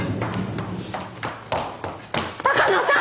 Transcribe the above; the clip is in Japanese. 鷹野さん！